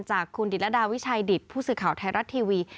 จากคุณดิตรดาวิชัยดิตผู้สื่อข่าวไทยรัฐทีวี